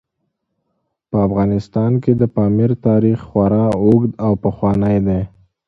په افغانستان کې د پامیر تاریخ خورا اوږد او پخوانی دی.